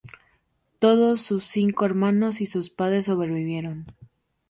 Todos sus cinco hermanos y sus padres sobrevivieron.